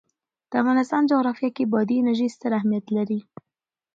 د افغانستان جغرافیه کې بادي انرژي ستر اهمیت لري.